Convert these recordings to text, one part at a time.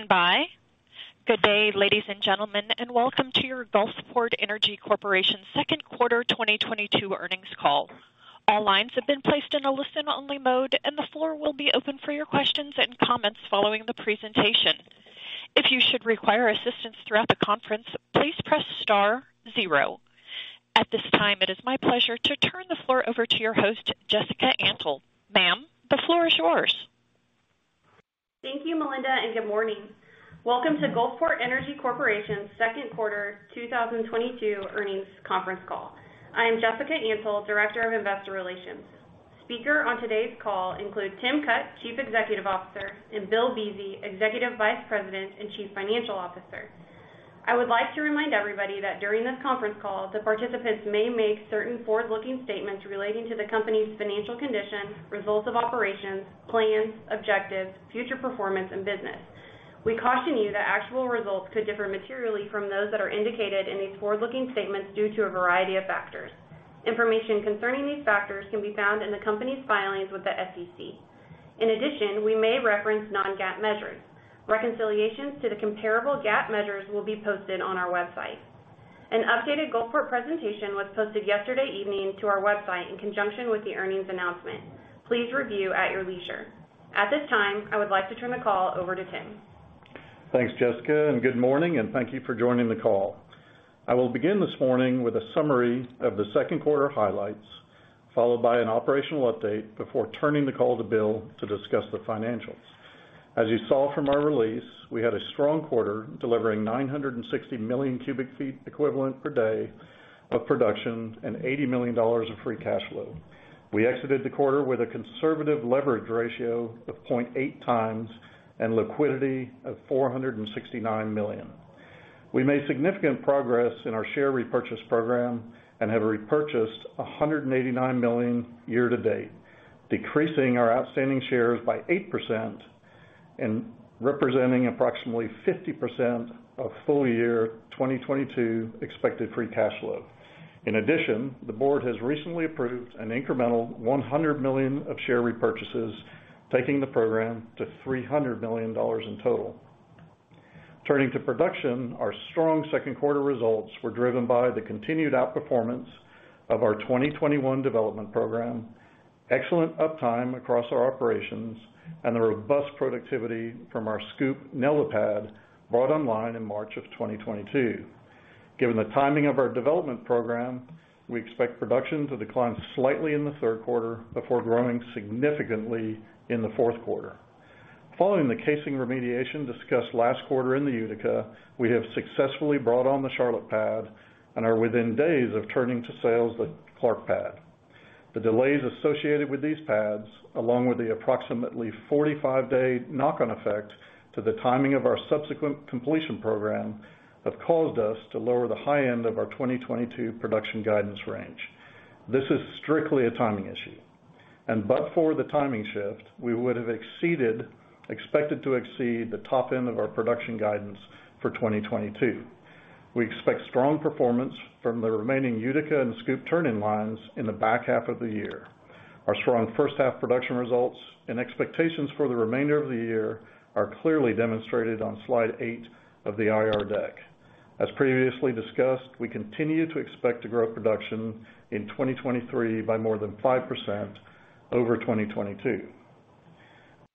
Please stand by. Good day, ladies and gentlemen, and welcome to your Gulfport Energy Corporation Second Quarter 2022 Earnings Call. All lines have been placed in a listen-only mode, and the floor will be open for your questions and comments following the presentation. If you should require assistance throughout the conference, please press star zero. At this time, it is my pleasure to turn the floor over to your host, Jessica Antle. Ma'am, the floor is yours. Thank you, Melinda, and good morning. Welcome to Gulfport Energy Corporation Second Quarter 2022 Earnings Conference Call. I am Jessica Antle, Director of Investor Relations. Speakers on today's call include Timothy Cutt, Chief Executive Officer, and William Buese, Executive Vice President and Chief Financial Officer. I would like to remind everybody that during this conference call, the participants may make certain forward-looking statements relating to the company's financial condition, results of operations, plans, objectives, future performance, and business. We caution you that actual results could differ materially from those that are indicated in these forward-looking statements due to a variety of factors. Information concerning these factors can be found in the company's filings with the SEC. In addition, we may reference non-GAAP measures. Reconciliations to the comparable GAAP measures will be posted on our website. An updated Gulfport presentation was posted yesterday evening to our website in conjunction with the earnings announcement. Please review at your leisure. At this time, I would like to turn the call over to Tim. Thanks, Jessica, and good morning, and thank you for joining the call. I will begin this morning with a summary of the second quarter highlights, followed by an operational update before turning the call to Bill to discuss the financials. As you saw from our release, we had a strong quarter, delivering 960 million cubic feet equivalent per day of production and $80 million of free cash flow. We exited the quarter with a conservative leverage ratio of 0.8x and liquidity of $469 million. We made significant progress in our share repurchase program and have repurchased $189 million year to date, decreasing our outstanding shares by 8% and representing approximately 50% of full year 2022 expected free cash flow. In addition, the board has recently approved an incremental $100 million of share repurchases, taking the program to $300 million in total. Turning to production, our strong second quarter results were driven by the continued outperformance of our 2021 development program, excellent uptime across our operations, and the robust productivity from our Scoop Nelda pad brought online in March 2022. Given the timing of our development program, we expect production to decline slightly in the third quarter before growing significantly in the fourth quarter. Following the casing remediation discussed last quarter in the Utica, we have successfully brought on the Charlotte pad and are within days of turning to sales the Clark pad. The delays associated with these pads, along with the approximately 45-day knock-on effect to the timing of our subsequent completion program, have caused us to lower the high end of our 2022 production guidance range. This is strictly a timing issue. But for the timing shift, we would have expected to exceed the top end of our production guidance for 2022. We expect strong performance from the remaining Utica and Scoop turn-in-lines in the back half of the year. Our strong first half production results and expectations for the remainder of the year are clearly demonstrated on slide eight of the IR deck. As previously discussed, we continue to expect to grow production in 2023 by more than 5% over 2022.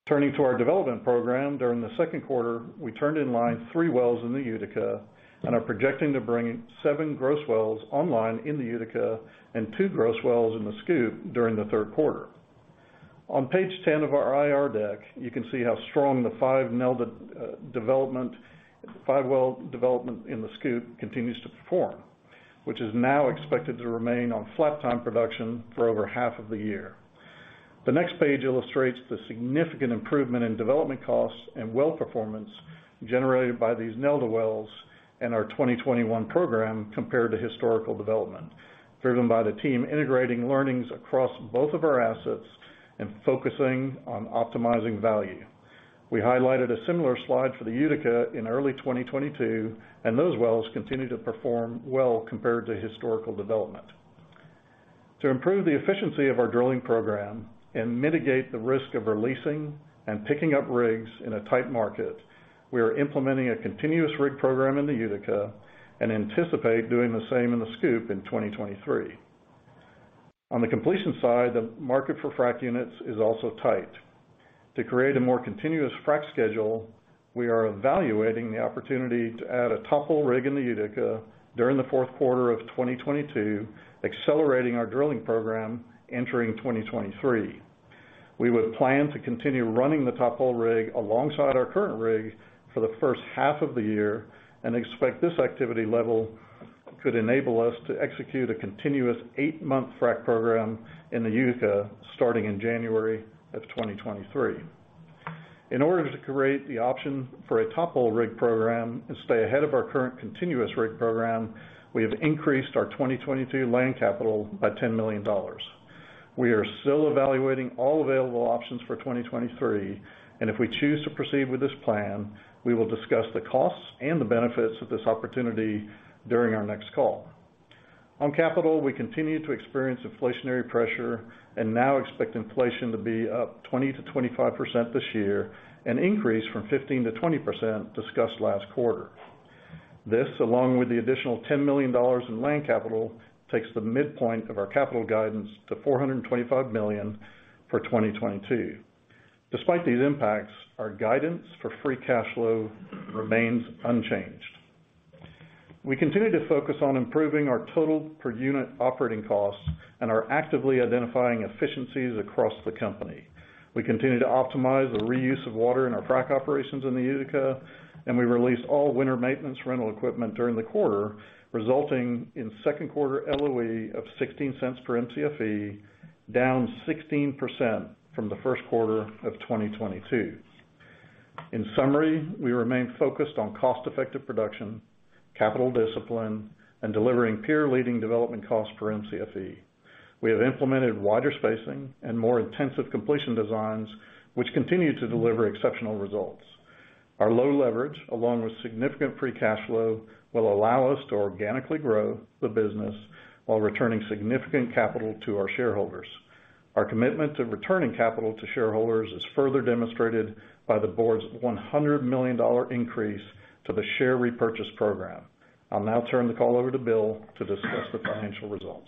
Turning to our development program, during the second quarter, we turned in line three wells in the Utica and are projecting to bring seven gross wells online in the Utica and two gross wells in the Scoop during the third quarter. On page 10 of our IR deck, you can see how strong the five well development in the Scoop continues to perform, which is now expected to remain on flat-time production for over half of the year. The next page illustrates the significant improvement in development costs and well performance generated by these five wells and our 2021 program compared to historical development, driven by the team integrating learnings across both of our assets and focusing on optimizing value. We highlighted a similar slide for the Utica in early 2022, and those wells continue to perform well compared to historical development. To improve the efficiency of our drilling program and mitigate the risk of releasing and picking up rigs in a tight market, we are implementing a continuous rig program in the Utica and anticipate doing the same in the Scoop in 2023. On the completion side, the market for frack units is also tight. To create a more continuous frack schedule, we are evaluating the opportunity to add a tophole rig in the Utica during the fourth quarter of 2022, accelerating our drilling program entering 2023. We would plan to continue running the tophole rig alongside our current rig for the first half of the year and expect this activity level could enable us to execute a continuous eight month frack program in the Utica starting in January of 2023. In order to create the option for a tophole rig program and stay ahead of our current continuous rig program, we have increased our 2022 land capital by $10 million. We are still evaluating all available options for 2023, and if we choose to proceed with this plan, we will discuss the costs and the benefits of this opportunity during our next call. On capital, we continued to experience inflationary pressure and now expect inflation to be up 20%-25% this year, an increase from 15%-20% discussed last quarter. This, along with the additional $10 million in land capital, takes the midpoint of our capital guidance to $425 million for 2022. Despite these impacts, our guidance for free cash flow remains unchanged. We continue to focus on improving our total per-unit operating costs and are actively identifying efficiencies across the company. We continue to optimize the reuse of water in our frack operations in the Utica, and we released all winter maintenance rental equipment during the quarter, resulting in second-quarter LOE of $0.16 per Mcfe, down 16% from the first quarter of 2022. In summary, we remain focused on cost-effective production, capital discipline, and delivering peer-leading development costs per Mcfe. We have implemented wider spacing and more intensive completion designs, which continue to deliver exceptional results. Our low leverage, along with significant free cash flow, will allow us to organically grow the business while returning significant capital to our shareholders. Our commitment to returning capital to shareholders is further demonstrated by the board's $100 million increase to the share repurchase program. I'll now turn the call over to Bill to discuss the financial results.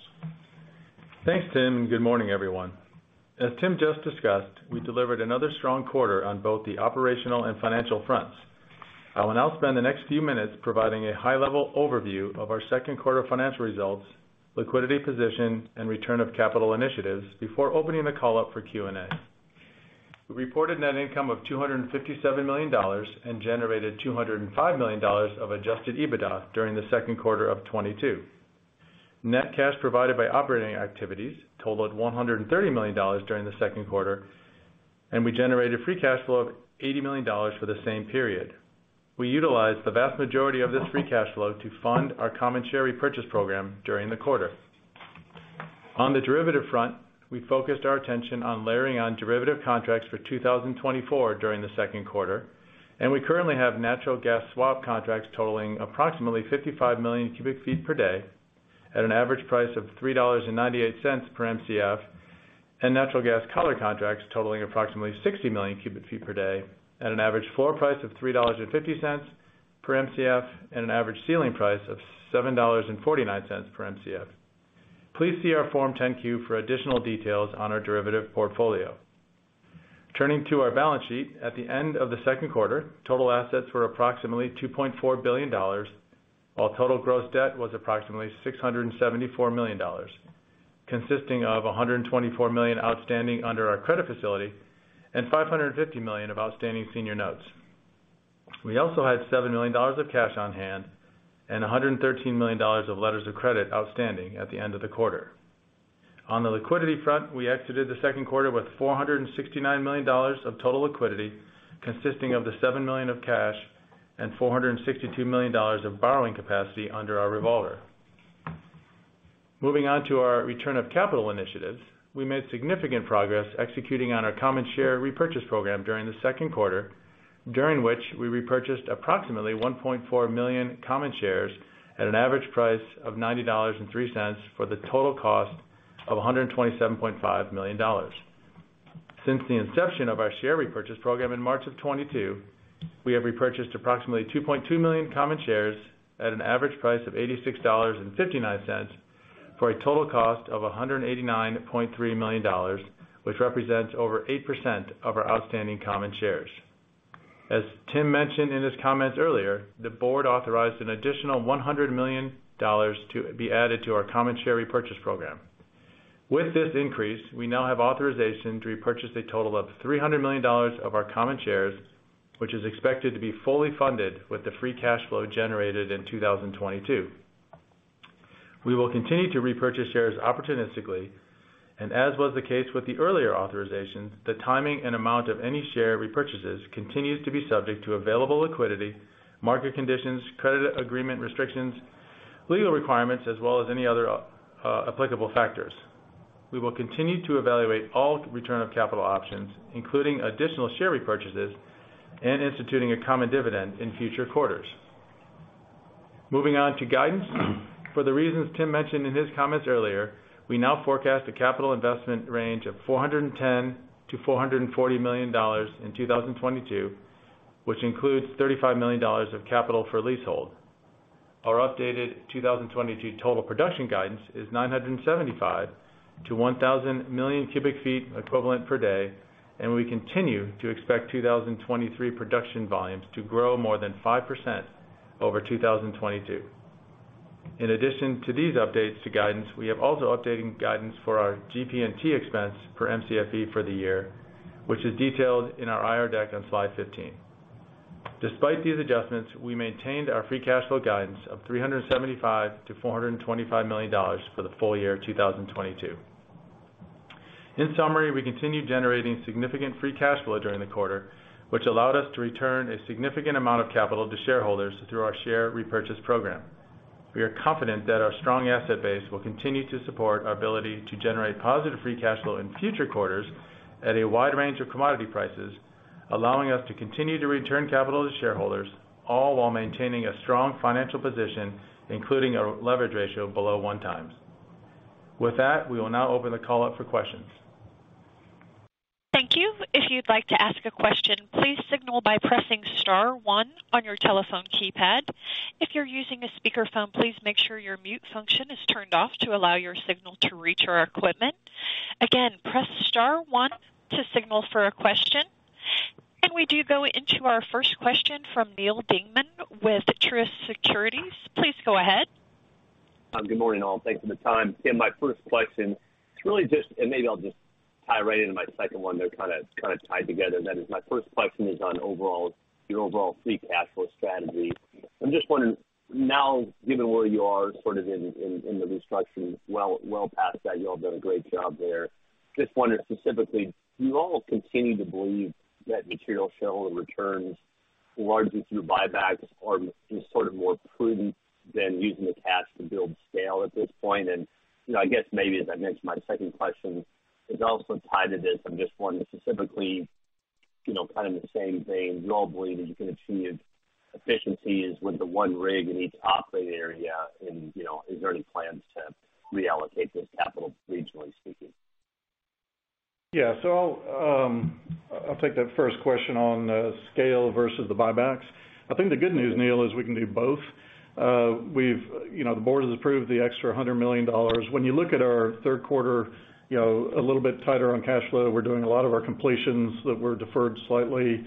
Thanks, Tim, and good morning, everyone. As Tim just discussed, we delivered another strong quarter on both the operational and financial fronts. I will now spend the next few minutes providing a high-level overview of our second quarter financial results, liquidity position, and return of capital initiatives before opening the call up for Q&A. We reported net income of $257 million and generated $205 million of Adjusted EBITDA during the second quarter of 2022. Net cash provided by operating activities totaled $130 million during the second quarter, and we generated free cash flow of $80 million for the same period. We utilized the vast majority of this free cash flow to fund our common share repurchase program during the quarter. On the derivative front, we focused our attention on layering on derivative contracts for 2024 during the second quarter, and we currently have natural gas swap contracts totaling approximately 55 million cubic feet per day at an average price of $3.98 per Mcf, and natural gas collar contracts totaling approximately 60 million cubic feet per day at an average floor price of $3.50 per Mcf and an average ceiling price of $7.49 per Mcf. Please see our Form 10-Q for additional details on our derivative portfolio. Turning to our balance sheet, at the end of the second quarter, total assets were approximately $2.4 billion, while total gross debt was approximately $674 million, consisting of $124 million outstanding under our credit facility and $550 million of outstanding senior notes. We also had $7 million of cash on hand and $113 million of letters of credit outstanding at the end of the quarter. On the liquidity front, we exited the second quarter with $469 million of total liquidity, consisting of the $7 million of cash and $462 million of borrowing capacity under our revolver. Moving on to our return of capital initiatives, we made significant progress executing on our common share repurchase program during the second quarter, during which we repurchased approximately 1.4 million common shares at an average price of $90.03 for the total cost of $127.5 million. Since the inception of our share repurchase program in March 2022, we have repurchased approximately 2.2 million common shares at an average price of $86.59 for a total cost of $189.3 million, which represents over 8% of our outstanding common shares. As Tim mentioned in his comments earlier, the board authorized an additional $100 million to be added to our common share repurchase program. With this increase, we now have authorization to repurchase a total of $300 million of our common shares, which is expected to be fully funded with the free cash flow generated in 2022. We will continue to repurchase shares opportunistically, and as was the case with the earlier authorizations, the timing and amount of any share repurchases continues to be subject to available liquidity, market conditions, credit agreement restrictions, legal requirements, as well as any other applicable factors. We will continue to evaluate all return of capital options, including additional share repurchases and instituting a common dividend in future quarters. Moving on to guidance, for the reasons Tim mentioned in his comments earlier, we now forecast a capital investment range of $410 million-$440 million in 2022, which includes $35 million of capital for leasehold. Our updated 2022 total production guidance is 975-1,000 million cubic feet equivalent per day, and we continue to expect 2023 production volumes to grow more than 5% over 2022. In addition to these updates to guidance, we have also updated guidance for our GP&T expense per Mcfe for the year, which is detailed in our IR deck on slide 15. Despite these adjustments, we maintained our free cash flow guidance of $375 million-$425 million for the full year 2022. In summary, we continued generating significant free cash flow during the quarter, which allowed us to return a significant amount of capital to shareholders through our share repurchase program. We are confident that our strong asset base will continue to support our ability to generate positive free cash flow in future quarters at a wide range of commodity prices. Allowing us to continue to return capital to shareholders, all while maintaining a strong financial position, including our leverage ratio below 1x. With that, we will now open the call up for questions. Thank you. If you'd like to ask a question, please signal by pressing star one on your telephone keypad. If you're using a speakerphone, please make sure your mute function is turned off to allow your signal to reach our equipment. Again, press star one to signal for a question. We do go into our first question from Neal Dingmann with Truist Securities. Please go ahead. Good morning, all. Thanks for the time. Tim, my first question, it's really just, and maybe I'll just tie right into my second one, they're kinda tied together. That is my first question is on your overall free cash flow strategy. I'm just wondering, now, given where you are sort of in the restructuring, well past that, you all have done a great job there. Just wondering specifically, do you all continue to believe that material shareholder returns largely through buybacks are just sort of more prudent than using the cash to build scale at this point? You know, I guess maybe as I mentioned, my second question is also tied to this. I'm just wondering specifically, you know, in the same vein, do you all believe that you can achieve efficiencies with the one rig in each operating area and, you know, is there any plans to reallocate this capital regionally speaking? I'll take that first question on scale versus the buybacks. I think the good news, Neal, is we can do both. We've, you know, the board has approved the extra $100 million. When you look at our third quarter, you know, a little bit tighter on cash flow, we're doing a lot of our completions that were deferred slightly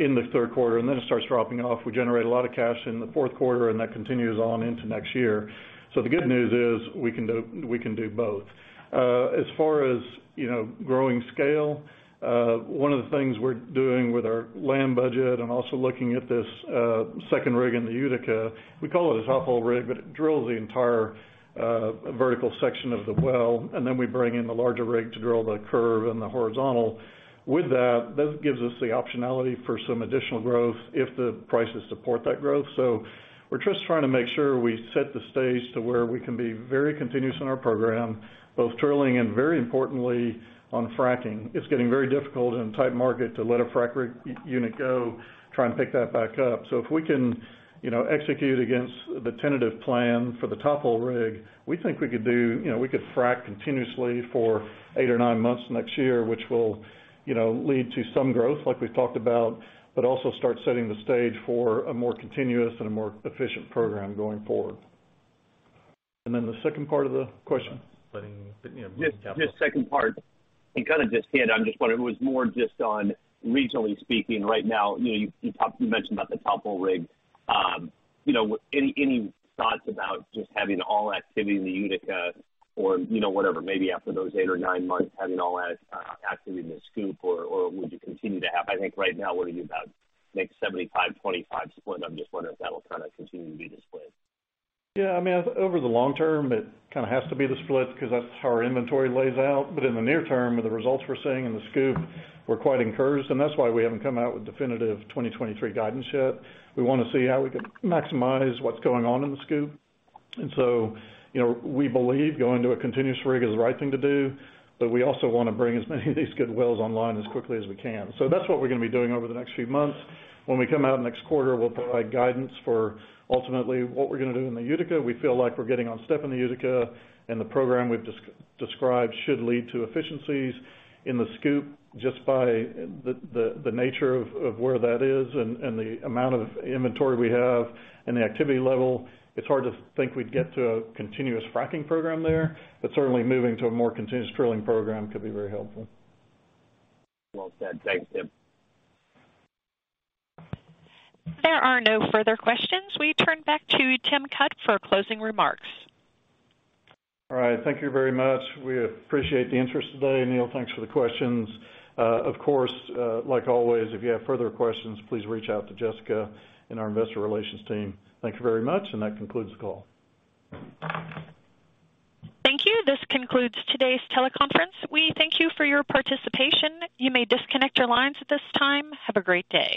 in the third quarter, and then it starts dropping off. We generate a lot of cash in the fourth quarter, and that continues on into next year. The good news is we can do both. As far as, you know, growing scale, one of the things we're doing with our land budget and also looking at this second rig in the Utica, we call it a tophole rig, but it drills the entire vertical section of the well, and then we bring in the larger rig to drill the curve and the horizontal. With that, this gives us the optionality for some additional growth if the prices support that growth. We're just trying to make sure we set the stage to where we can be very continuous in our program, both drilling and very importantly on fracking. It's getting very difficult in a tight market to let a frack rig unit go, try and pick that back up. If we can, you know, execute against the tentative plan for the tophole rig, we think we could do, you know, we could frack continuously for eight or nine months next year, which will, you know, lead to some growth like we've talked about, but also start setting the stage for a more continuous and a more efficient program going forward. Then the second part of the question? Letting you know. Yeah. This second part, kinda just hit on just what it was more just on regionally speaking right now, you know, you talked, you mentioned about the tophole rig. You know, any thoughts about just having all activity in the Utica or, you know, whatever, maybe after those eight or nine months, having all activity in the Scoop or would you continue to have? I think right now we're gonna do about maybe 75-25 split. I'm just wondering if that'll kinda continue to be the split. Yeah. I mean, over the long term, it kinda has to be the split because that's how our inventory lays out. In the near term, with the results we're seeing in the Scoop, we're quite encouraged, and that's why we haven't come out with definitive 2023 guidance yet. We wanna see how we can maximize what's going on in the Scoop. You know, we believe going to a continuous rig is the right thing to do, but we also wanna bring as many of these good wells online as quickly as we can. That's what we're gonna be doing over the next few months. When we come out next quarter, we'll provide guidance for ultimately what we're gonna do in the Utica. We feel like we're getting one step in the Utica, and the program we've described should lead to efficiencies in the Scoop, just by the nature of where that is and the amount of inventory we have and the activity level. It's hard to think we'd get to a continuous fracking program there. Certainly, moving to a more continuous drilling program could be very helpful. Well said. Thanks, Tim. There are no further questions. We turn back to Tim Cutt for closing remarks. All right. Thank you very much. We appreciate the interest today. Neal, thanks for the questions. Of course, like always, if you have further questions, please reach out to Jessica and our investor relations team. Thank you very much, and that concludes the call. Thank you. This concludes today's teleconference. We thank you for your participation. You may disconnect your lines at this time. Have a great day.